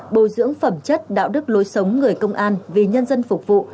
bồi dưỡng phẩm chất đạo đức lối sống người công an vì nhân dân phục vụ